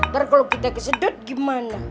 ntar kalo kita kesedut gimana